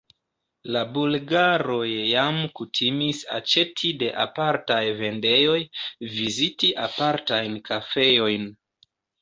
La bulgaroj jam kutimis aĉeti de apartaj vendejoj, viziti apartajn kafejojn.